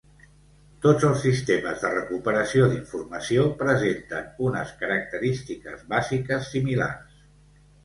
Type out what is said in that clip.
Tots els Sistemes de recuperació d'informació presenten unes característiques bàsiques similars.